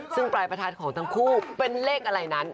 ซึ่งปลายประทัดของทั้งคู่เป็นเลขอะไรนั้น